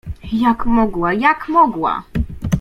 "Jak mogła, jak mogła!"